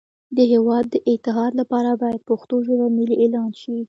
د هیواد د اتحاد لپاره باید پښتو ژبه ملی اعلان شی